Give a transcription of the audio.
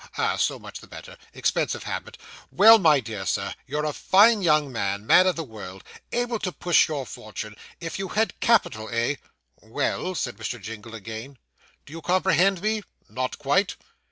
ah! so much the better expensive habit well, my dear Sir, you're a fine young man, man of the world able to push your fortune, if you had capital, eh?' 'Well,' said Mr. Jingle again. 'Do you comprehend me?' 'Not quite.